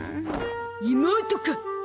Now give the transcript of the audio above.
妹か？